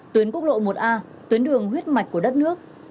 tuyến quốc lộ một a tuyến đường huyết mạch của đất nước